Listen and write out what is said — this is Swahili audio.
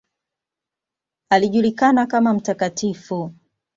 Alijulikana kama ""Mt.